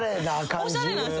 おしゃれなんです。